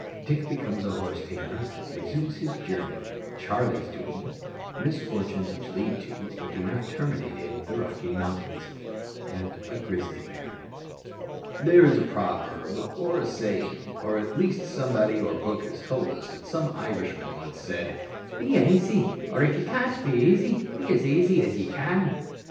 _Dick becomes a horse tamer Resumes his journey Charlie's doings Misfortunes which lead to, but do not terminate in, the Rocky Mountains A grizzly bear_. There is a proverb or a saying or at least somebody or book has told us, that some Irishman once said, "Be aisy; or, if ye can't be aisy, be as aisy as ye can."